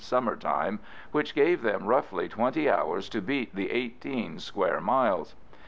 (summer time), which gave them roughly twenty hours to beat the eighteen square miles.